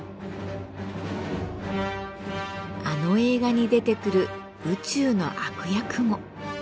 あの映画に出てくる宇宙の悪役も。